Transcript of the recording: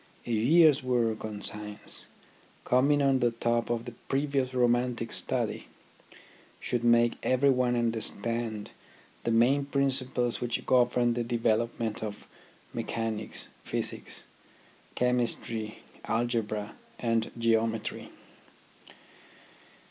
A year's work on science, coming on the top of the previous romantic study, should make everyone understand the main principles which govern the development of mechanics, physics, chemistry, algebra and geometry.